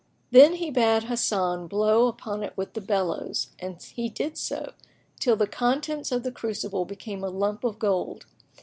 [FN#14] Then he bade Hasan blow upon it with the bellows, and he did so, till the contents of the crucible became a lump of gold.